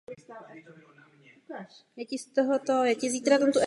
Tyto spory po vzniku Československé republiky se odrážely i v oblasti školství.